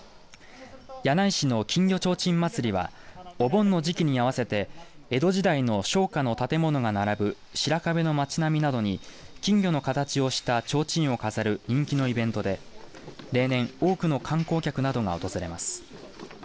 柳井市の金魚ちょうちんまつりはお盆の時期に合わせて江戸時代の商家の建物が並ぶ白壁の町並みなどに金魚の形をしたちょうちんを飾る人気のイベントで例年多くの観光客などが訪れます。